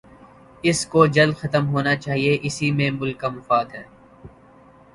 اس کو جلد ختم ہونا چاہیے اور اسی میں ملک کا مفاد ہے۔